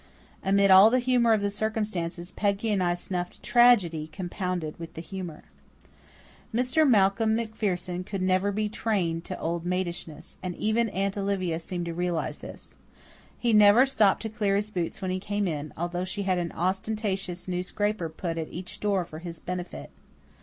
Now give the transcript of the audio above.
Amid all the humour of the circumstances Peggy and I snuffed tragedy compounded with the humour. Mr. Malcolm MacPherson could never be trained to old maidishness, and even Aunt Olivia seemed to realize this. He never stopped to clear his boots when he came in, although she had an ostentatiously new scraper put at each door for his benefit.